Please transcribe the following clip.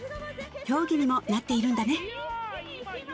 競技にもなっているんだね